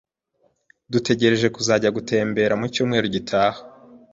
Dutegereje kuzajya gutembera mu cyumweru gitaha.